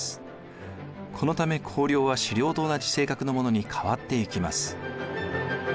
このため公領は私領と同じ性格のものに変わっていきます。